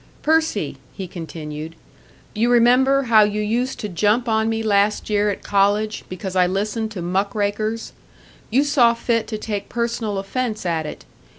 "Percy," he continued, "you remember how you used to jump on me last year at college, because I listened to 'muck rakers.' You saw fit to take personal offence at it.